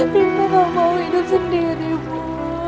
sinta tidak mau hidup sendirimu